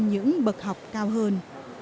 những bậc học cao hơn